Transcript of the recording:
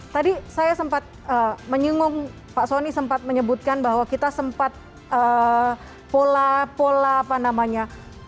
tadi saya sempat menyinggung pak soni sempat menyebutkan bahwa kita sempat pola pola apa namanya